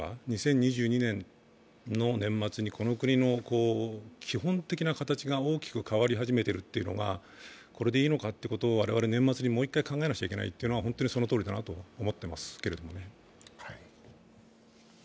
２０２２年の年末にこの国の基本的な形が大きく変わり始めてるというのがこれでいいのかということを、我々年末にもう一回考えなくちゃいけないというのは本当にそのとおりだと思います。